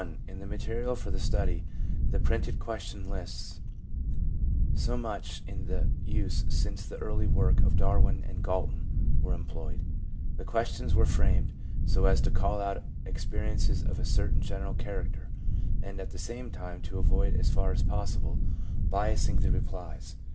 In the material for the study, the printed question lists, so much in use since the early work of Darwin and Galton, were employed. The questions were framed so as to call out experiences of a certain general character, and, at the same time, to avoid, as far as possible, bias sing the replies.